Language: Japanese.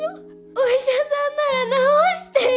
お医者さんなら治してよ。